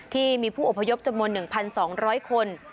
ที่มีผู้อพยพจำนวน๑๒๐๐คน